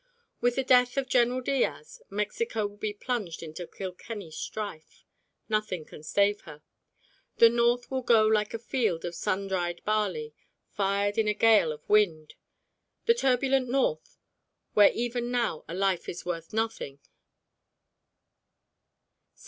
With the death of General Diaz, Mexico will be plunged into Kilkenny strife. Nothing can save her. The North will go like a field of sundried barley, fired in a gale of wind: the turbulent North, where even now a life is worth nothing.